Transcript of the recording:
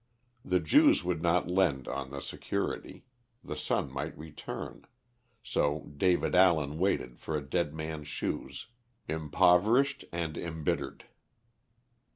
The Jews would not lend on the security the son might return so David Allen waited for a dead man's shoes, impoverished and embittered.